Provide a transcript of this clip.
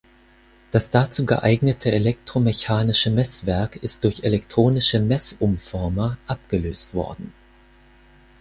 Das dazu geeignete elektromechanische Messwerk ist durch elektronische Messumformer abgelöst worden.